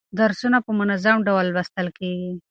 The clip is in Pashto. درسونه په منظم ډول لوستل کیږي.